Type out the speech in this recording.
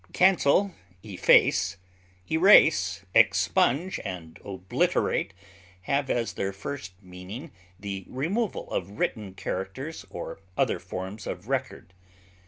Cancel, efface, erase, expunge, and obliterate have as their first meaning the removal of written characters or other forms of record.